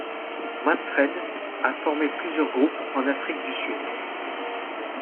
Manfred a formé plusieurs groupes en Afrique du Sud.